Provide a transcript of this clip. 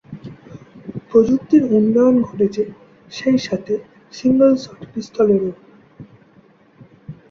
প্রযুক্তির উন্নয়ন ঘটছে সেই সাথে সিঙ্গল শট পিস্তলরেও।